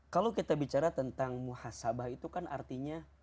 kalau kita bicara tentang muhasabah itu kan artinya